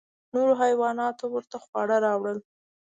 نورو حیواناتو ورته خواړه راوړل.